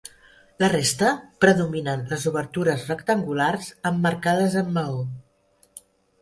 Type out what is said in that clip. La resta predominen les obertures rectangulars emmarcades amb maó.